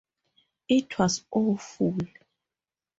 It was awful.